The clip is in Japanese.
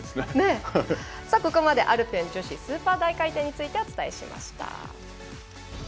ここまでアルペン女子スーパー大回転についてお伝えしました。